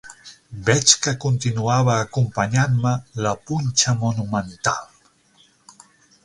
Veig que continuava acompanyant-me la punxa monumental